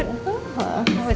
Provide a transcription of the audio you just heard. ini terlihat bagus